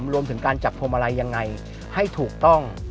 รวมถึงการจับโพมไรยังไงให้ถูกต้อง